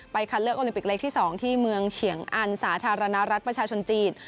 ไปคัดเลือกเล็กที่สองที่เมืองเฉียงอันสาธารณรัฐประชาชนจีต